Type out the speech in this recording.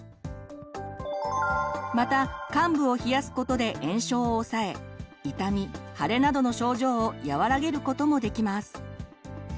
また患部を冷やすことで炎症を抑え痛み腫れなどの症状を和らげることもできます。